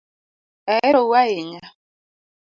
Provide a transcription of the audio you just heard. Ahero u ahinya